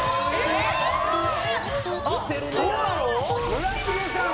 村重さん